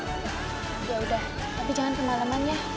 yaudah tapi jangan kemalemannya